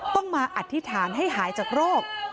ต้องมาอธิษฐานให้หายจากโรค